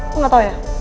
lo gak tau ya